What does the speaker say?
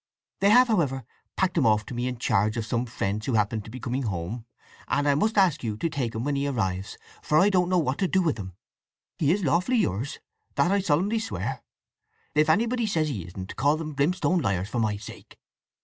They have, however, packed him off to me in charge of some friends who happened to be coming home, and I must ask you to take him when he arrives, for I don't know what to do with him. He is lawfully yours, that I solemnly swear. If anybody says he isn't, call them brimstone liars, for my sake.